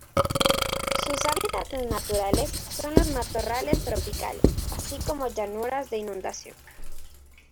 Sus hábitats naturales son los matorrales tropicales así como llanuras de inundación.